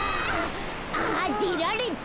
あでられた！